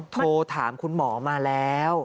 โทรถามคุณหมอมาแล้ว